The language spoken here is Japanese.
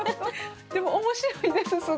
でも面白いです